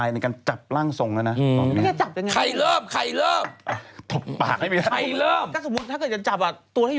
โอ๊ยอย่าจับหล่อนไป